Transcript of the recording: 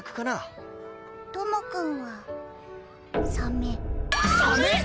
トモくんはサメ。サメ！？